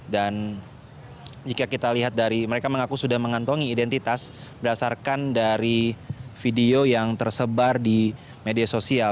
dan jika kita lihat dari mereka mengaku sudah mengantongi identitas berdasarkan dari video yang tersebar di media sosial